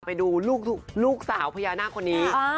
ไปดูลูกสาวพญานาคคนนี้